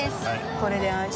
これで安心。